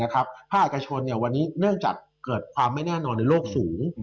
ภาคเอกชนวันนี้เนื่องจากเกิดความไม่แน่นอนในโลกสูง